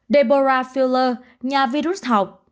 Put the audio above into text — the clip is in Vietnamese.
deborah filler nhà virus học